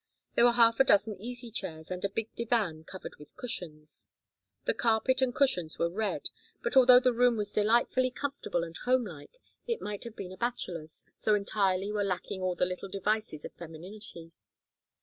There were half a dozen easy chairs and a big divan covered with cushions. The carpet and cushions were red, but although the room was delightfully comfortable and homelike it might have been a bachelor's, so entirely were lacking all the little devices of femininity.